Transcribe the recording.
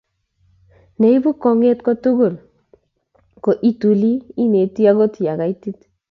Ne ibu kwong'et ko ituli ineti akot ya kaitit